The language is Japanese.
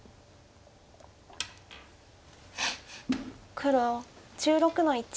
黒１６の一。